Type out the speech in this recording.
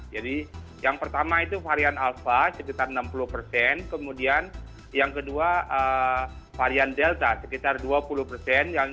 jadi yang pertama itu varian alpha sekitar enam puluh persen kemudian yang kedua varian delta sekitar dua puluh persen